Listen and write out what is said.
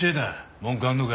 文句あんのか？